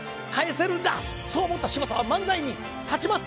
そう思った柴田は漫才に立ちます。